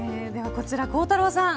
こちら、孝太郎さん